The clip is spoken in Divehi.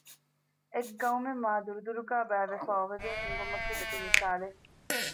އެއް ޤައުމެއް މާދުރުދުރުގައި ބައިވެފައި އޮވެގެން ހިންގުމަކީ ދަތި މިސާލެއް